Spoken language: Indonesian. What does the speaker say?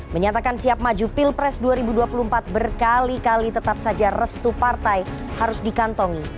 menyatakan siap maju pilpres dua ribu dua puluh empat berkali kali tetap saja restu partai harus dikantongi